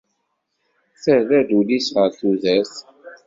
terra-d ul-is ɣer tudert.